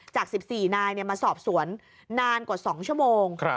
จาก๑๔นายมาสอบสวนนานกว่า๒ชั่วโมง